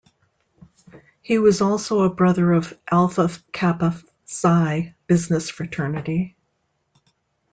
He was also a brother of Alpha Kappa Psi Business Fraternity.